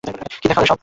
কী দেখাও এসব!